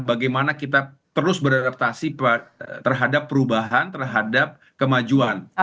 bagaimana kita terus beradaptasi terhadap perubahan terhadap kemajuan